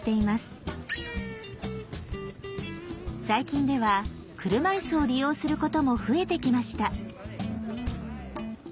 最近では車いすを利用することも増えてきました。